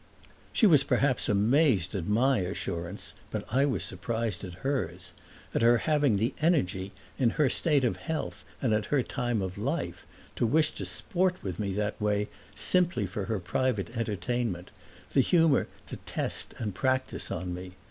She was perhaps amazed at my assurance, but I was surprised at hers; at her having the energy, in her state of health and at her time of life, to wish to sport with me that way simply for her private entertainment the humor to test me and practice on me.